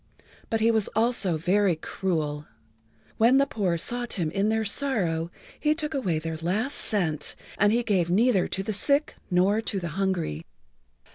But he was also very cruel. When the poor sought him in their sorrow he took away their last cent, and he gave neither to the sick nor to the hungry.